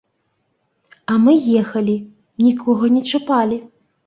А мы ехалі, нікога не чапалі.